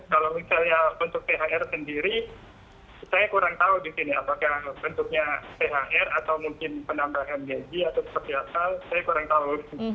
kalau misalnya untuk thr sendiri saya kurang tahu di sini apakah bentuknya thr atau mungkin penambahan gaji atau seperti asal saya kurang tahu